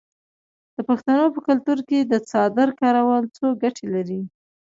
د پښتنو په کلتور کې د څادر کارول څو ګټې لري.